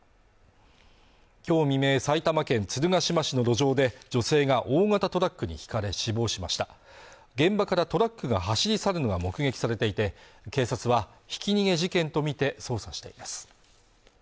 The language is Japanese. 今日未明、埼玉県鶴ヶ島市の路上で女性が大型トラックにひかれ死亡しました現場からトラックが走り去るのが目撃されていて警察はひき逃げ事件とみて捜査しています